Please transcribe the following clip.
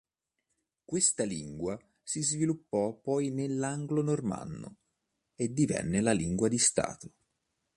Questa lingua si sviluppò poi nell'anglo-normanno e divenne la lingua di stato.